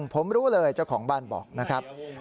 ผมรู้เลยเจ้าของบ้านบอกนะครับ